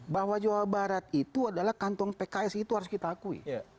bahwa jawa barat itu adalah kantong pks itu harus kita akui